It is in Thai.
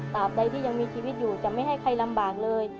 ใดที่ยังมีชีวิตอยู่จะไม่ให้ใครลำบากเลย